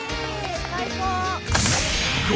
最高！